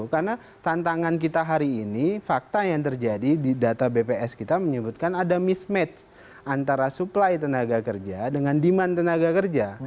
karena tantangan kita hari ini fakta yang terjadi di data bps kita menyebutkan ada mismatch antara suplai tenaga kerja dengan demand tenaga kerja